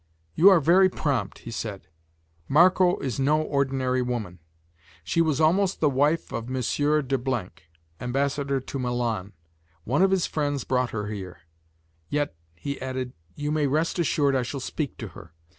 "You are very prompt," he said, "Marco is no ordinary woman. She was almost the wife of M. de , ambassador to Milan. One of his friends brought her here. Yet," he added, "you may rest assured I shall speak to her.